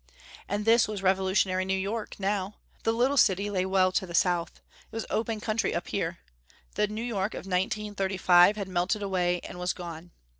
And this was revolutionary New York, now. The little city lay well to the south. It was open country up here. The New York of 1935 had melted away and was gone....